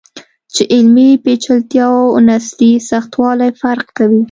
چې علمي پیچلتیا او نثري سختوالی فرق کوي.